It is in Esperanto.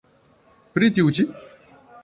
Pri tiu ĉi?